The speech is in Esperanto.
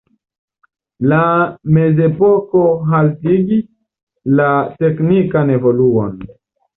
La mezepoko haltigis la teknikan evoluon.